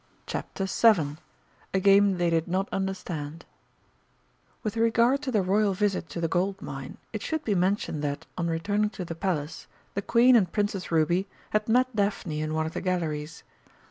CHAPTER VII A GAME THEY DID NOT UNDERSTAND With regard to the Royal visit to the Gold Mine, it should be mentioned that, on returning to the Palace, the Queen and Princess Ruby had met Daphne in one of the galleries.